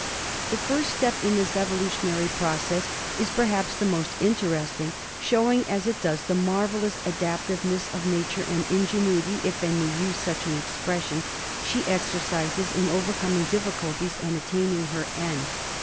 The first step in this evolutionary process is perhaps the most in teresting, showing, as it does, the marvellous adapt iven ess of nature, the ingenuity, if I may use such an expression, she exercises in over coming difficulties and in attaining her end.